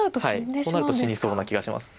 こうなると死にそうな気がします。